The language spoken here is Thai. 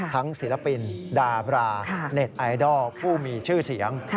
ศิลปินดาบราเน็ตไอดอลผู้มีชื่อเสียง